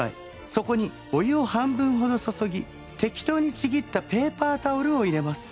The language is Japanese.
そこにお湯を半分ほど注ぎ適当にちぎったペーパータオルを入れます。